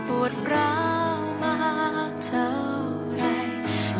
ปวดร้าวมากเท่าไร